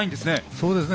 そうですね。